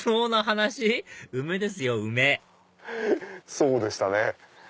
そうでしたね。